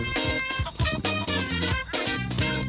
โด่แลก